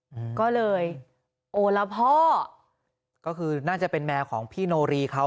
อืมก็เลยโอละพ่อก็คือน่าจะเป็นแมวของพี่โนรีเขา